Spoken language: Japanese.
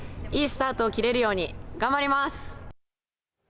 いいスタートを切れるように頑張ります。